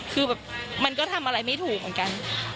คือแบบมันก็ทำอะไรไม่ถูกเหมือนกัน